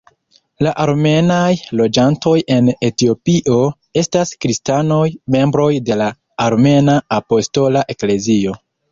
La armenaj loĝantoj en Etiopio estas kristanoj membroj de la Armena Apostola Eklezio.